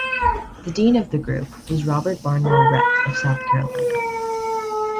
The dean of the group was Robert Barnwell Rhett of South Carolina.